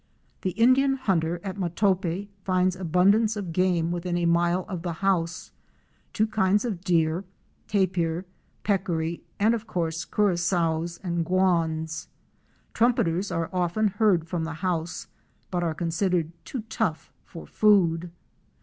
The Indian hunter at Matope finds abundance of game within a mile of the house; two kinds of deer, tapir, peccary, and of course Curassows and Guans. Trumpeters " are often heard from the house but are considered too tough for food.